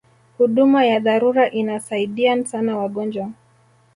huduma ya dharura inasaidian sana wagonjwa